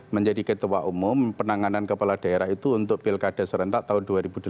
menjadi ketua umum penanganan kepala daerah itu untuk pilkada serentak tahun dua ribu delapan belas